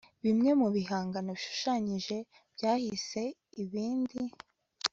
bimwe mu bihangano bishushanyije byahize ibindi